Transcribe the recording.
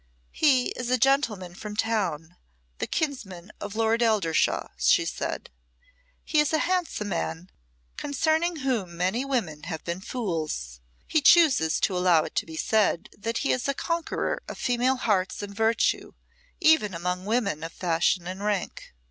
"He is a gentleman from town, the kinsman of Lord Eldershawe," she said. "He is a handsome man, concerning whom many women have been fools. He chooses to allow it to be said that he is a conqueror of female hearts and virtue, even among women of fashion and rank.